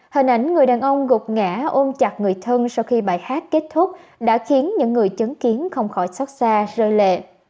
hình ảnh người đàn ông gục ngã ôm chặt người thân sau khi bài hát kết thúc đã khiến những người chứng kiến không khỏi xót xa rơi lệ